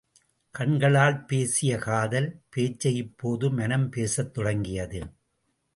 கண்களால் பேசிய காதல் பேச்சை இப்போது மனம் பேசத்தொடங்கியது.